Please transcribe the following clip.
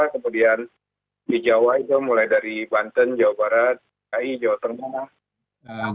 kemudian di jawa itu mulai dari banten jawa barat kai jawa tengah